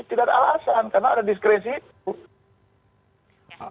tidak ada alasan karena ada diskresi itu